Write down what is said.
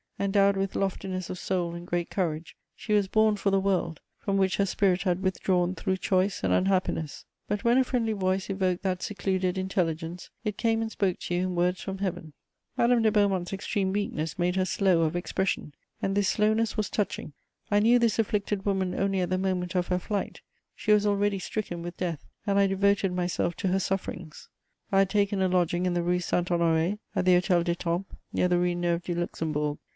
Endowed with loftiness of soul and great courage, she was born for the world, from which her spirit had withdrawn through choice and unhappiness; but when a friendly voice evoked that secluded intelligence, it came and spoke to you in words from Heaven. Madame de Beaumont's extreme weakness made her slow of expression, and this slowness was touching. I knew this afflicted woman only at the moment of her flight; she was already stricken with death, and I devoted myself to her sufferings. I had taken a lodging in the Rue Saint Honoré, at the Hôtel d'Étampes, near the Rue Neuve du Luxembourg.